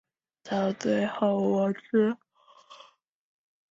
唐弢的散文作品曾收录于中国大陆中小学及大学语文教材。